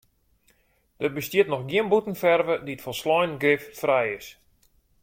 Der bestiet noch gjin bûtenferve dy't folslein giffrij is.